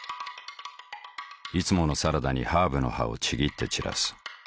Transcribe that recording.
いつものサラダにハーブの葉をちぎって散らす。